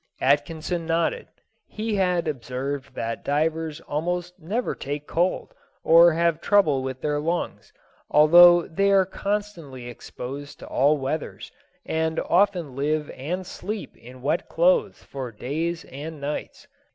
Atkinson nodded. He had observed that divers almost never take cold or have trouble with their lungs, although they are constantly exposed to all weathers, and often live and sleep in wet clothes for days and nights.